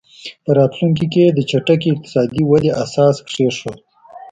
په راتلونکي کې یې د چټکې اقتصادي ودې اساس کېښود.